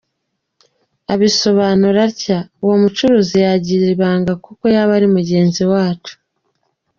Abisobanura atya: “Uwo mucuruzi yagira ibanga kuko yaba ari mugenzi wacu.